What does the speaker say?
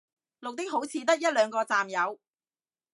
綠的好似得一兩個站有